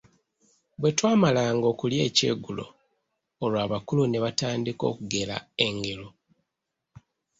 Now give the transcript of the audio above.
Bwetwamalanga okulya ekyeggulo, olwo abakulu ne batandika okugera engero.